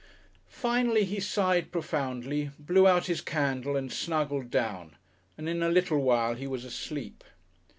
Finally he sighed profoundly, blew out his candle and snuggled down, and in a little while he was asleep....